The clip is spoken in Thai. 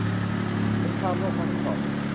สงครามโลกครั้งที่สอง